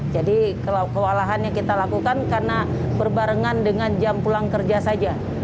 jadi kewalahan yang kita lakukan karena berbarengan dengan jam pulang kerja saja